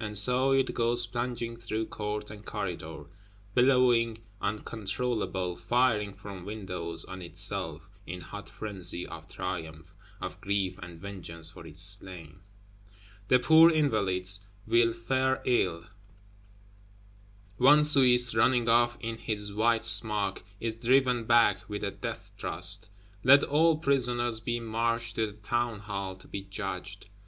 And so it goes plunging through court and corridor; billowing uncontrollable, firing from windows on itself; in hot frenzy of triumph, of grief and vengeance for its slain. The poor Invalides will fare ill; one Swiss, running off in his white smock, is driven back, with a death thrust. Let all prisoners be marched to the Town hall to be judged!